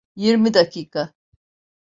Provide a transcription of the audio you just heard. Yirmi dakika.